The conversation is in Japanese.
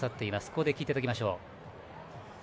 ここで聞いていただきましょう。